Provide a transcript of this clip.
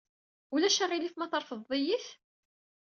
Ulac aɣilif ma trefdeḍ-iyi-t?